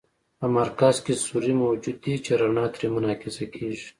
په مرکز کې سوری موجود دی چې رڼا ترې منعکسه کیږي.